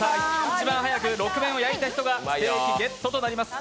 一番早く６面を焼いた人がステーキゲットとなります。